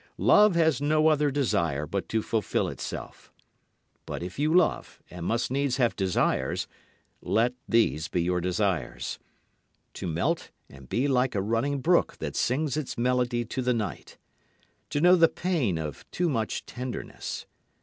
Love has no other desire but to fulfil itself. But if you love and must needs have desires, let these be your desires: To melt and be like a running brook that sings its melody to the night. To know the pain of too much tenderness.